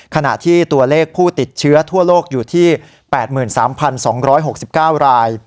ขณะที่ตัวเลขผู้ติดเชื้อทั่วโลกอยู่ที่๘๓๒๖๙ราย